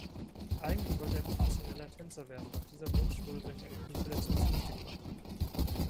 Eigentlich wollte er professioneller Tänzer werden, doch dieser Wunsch wurde durch eine Knieverletzung zunichtegemacht.